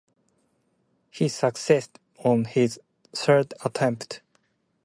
He succeeded on his third attempt.